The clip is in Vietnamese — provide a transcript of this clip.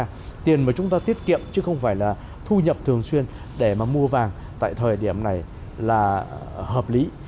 và tiền mà chúng ta tiết kiệm chứ không phải là thu nhập thường xuyên để mà mua vàng tại thời điểm này là hợp lý